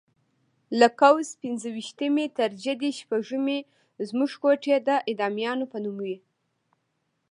له قوس پنځه ویشتمې تر جدي شپږمې زموږ کوټې د اعدامیانو په نوم وې.